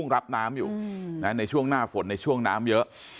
รับน้ำอยู่ในช่วงหน้าฝนในช่วงน้ำเยอะ